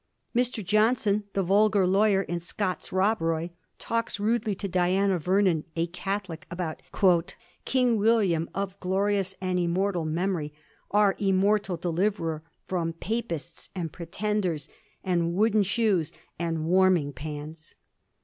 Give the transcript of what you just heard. Mr. Jobson, the vulgar lawyer in Scotf s ' Rob Roy/ talks rudely to Diana Vernon, a Catholic, about 'King William, of glorious and immortal memory, our immortal deliverer from Papists and pretenders, and wooden shoes, and warming pans.'